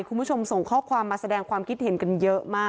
คุณผู้ชมส่งข้อความมาแสดงความคิดเห็นกันเยอะมาก